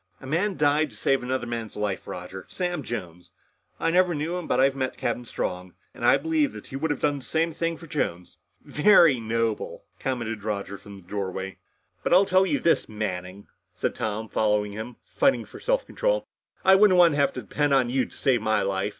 "A man died to save another man's life, Roger. Sam Jones. I never knew him. But I've met Captain Strong, and I believe that he would have done the same thing for Jones." "Very noble," commented Roger from the doorway. "But I'll tell you this, Manning," said Tom, following him, fighting for self control, "I wouldn't want to have to depend on you to save my life.